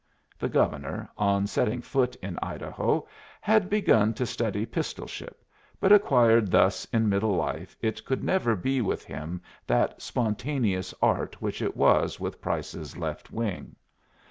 The Governor, on setting foot in Idaho, had begun to study pistolship, but acquired thus in middle life it could never be with him that spontaneous art which it was with Price's Left Wing.